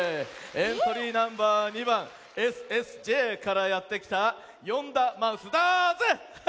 エントリーナンバー２ばんＳＳＪからやってきたヨンダマウスだぜ！